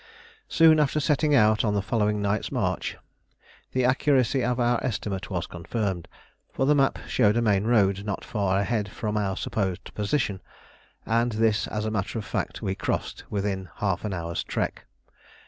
Soon after setting out on the following night's march, the accuracy of our estimate was confirmed, for the map showed a main road not far ahead from our supposed position, and this as a matter of fact we crossed within half an hour's trek.